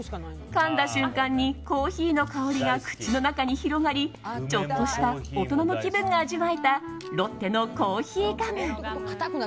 かんだ瞬間にコーヒーの香りが口の中に広がりちょっとした大人の気分が味わえたロッテのコーヒーガム。